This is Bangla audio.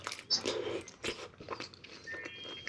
গতরাতে আমি স্বপ্নে দেখলাম, আমি পুয়ের্তো রিকোতে ফেরত গেছি।